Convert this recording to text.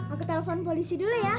aku telpon polisi dulu ya